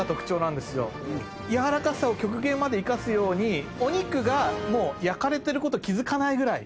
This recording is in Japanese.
やわらかさを極限まで生かすようにお肉がもう焼かれてること気付かないぐらいに。